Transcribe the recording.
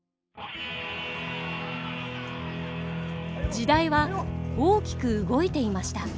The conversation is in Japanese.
時代は大きく動いていました。